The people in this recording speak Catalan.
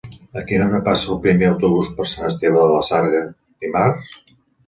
A quina hora passa el primer autobús per Sant Esteve de la Sarga dimarts?